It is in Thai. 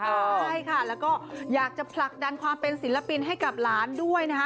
ใช่ค่ะแล้วก็อยากจะผลักดันความเป็นศิลปินให้กับหลานด้วยนะคะ